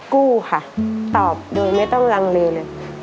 กู้ค่ะตอบโดยไม่ต้องลังเลเลย